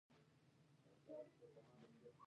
د کندهار والي و.